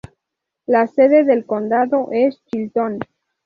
La sede del condado es Chilton.